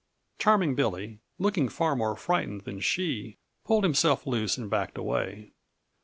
Charming Billy, looking far more frightened than she, pulled himself loose and backed away.